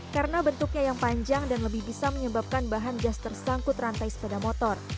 karena bentuknya yang panjang dan lebih bisa menyebabkan bahan gas tersangkut rantai sepeda motor